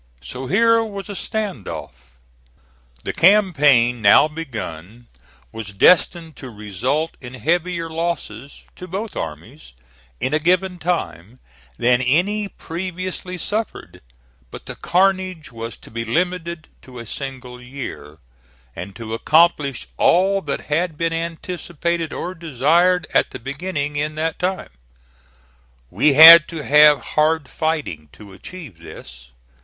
So here was a stand off. The campaign now begun was destined to result in heavier losses, to both armies, in a given time, than any previously suffered; but the carnage was to be limited to a single year, and to accomplish all that had been anticipated or desired at the beginning in that time. We had to have hard fighting to achieve this.